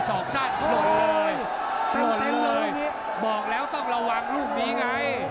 โสกสั้นหล่นให้บอกแล้วต้องระวังลูกบีไง